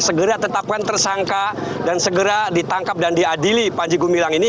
segera tetapkan tersangka dan segera ditangkap dan diadili panji gumilang ini